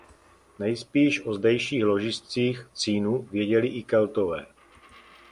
Nejspíš o zdejších ložiscích cínu věděli i Keltové.